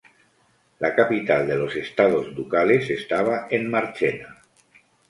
La capital de los estados ducales estaba en Marchena.